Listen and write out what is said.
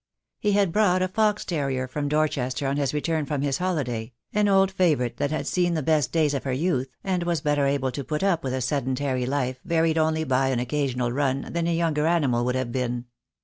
He had brought a fox terrier from Dorchester on his return from his holiday, an old favourite that had seen the best days of her youth, and was better able to put up with a sedentary life, varied only by an occasional run, than a younger animal would have been.